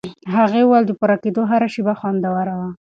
هغې وویل د پورته کېدو هره شېبه خوندوره وه.